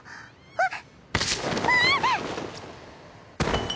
あっ！